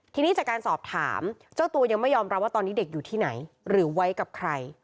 ทีนี้จากการสอบถามเจ้าตัวยังไม่ยอมรับว่าตอนนี้เด็กอยู่ที่ไหนหรือไว้กับใคร